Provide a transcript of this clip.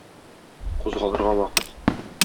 Кузгалырга вакыт!